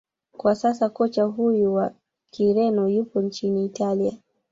kwa sasa kocha huyo wa kireno yupo nchini italia